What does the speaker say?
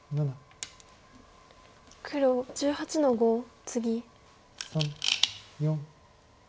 黒１８の五ツギ。